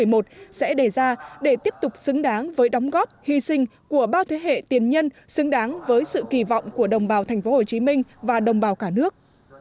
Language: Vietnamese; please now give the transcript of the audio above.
đảng bộ tp hcm sẽ đề ra để tiếp tục xứng đáng với đóng góp hy sinh của bao thế hệ tiền nhân xứng đáng với sự kỳ vọng của đồng bào tp hcm và đồng bào cả nước